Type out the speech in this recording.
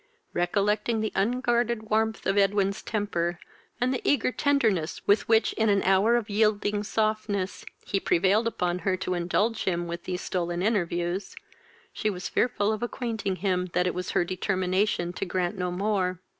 Recollecting the unguarded warmth of Edwin's temper, and the eager tenderness with which in an hour of yielding softness he prevailed upon her to indulge him with these stolen interviews, she was fearful of acquainting him that it was her determination to grant no more.